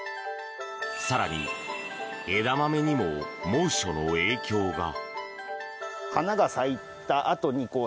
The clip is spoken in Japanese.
更に、枝豆にも猛暑の影響が。